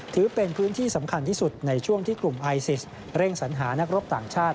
ถือเป็นพื้นที่สำคัญที่สุดในช่วงที่กลุ่มไอซิสเร่งสัญหานักรบต่างชาติ